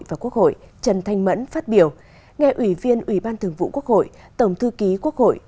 và quốc hội trần thanh mẫn phát biểu nghe ủy viên ủy ban thường vụ quốc hội tổng thư ký quốc hội